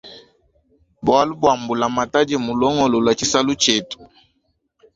Bwalu bwa mbula matadi mulongolole tshisalu tshietu.